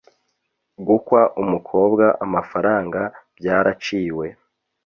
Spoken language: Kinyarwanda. gukwa umukobwa amafaranga byaraciwe